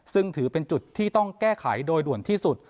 ซึ่งถือเป็นจุดที่ต้องแก้ไขโดยด่วนที่สุด